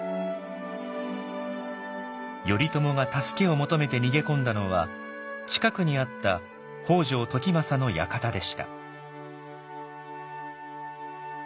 頼朝が助けを求めて逃げ込んだのは近くにあった北条時政の館でした。